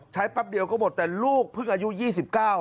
ใช้ปั๊บเดียวก็หมดแต่ลูกพึ่งอายุ๒๙อ่ะ